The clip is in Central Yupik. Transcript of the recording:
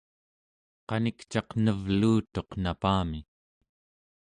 qanikcaq nevluutuq napami